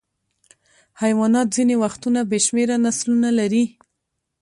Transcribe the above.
حیوانات ځینې وختونه بې شمېره نسلونه لري.